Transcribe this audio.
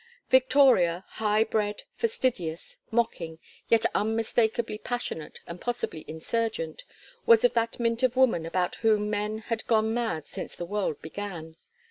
Victoria, high bred, fastidious, mocking, yet unmistakably passionate and possibly insurgent, was of that mint of woman about whom men had gone mad since the world began.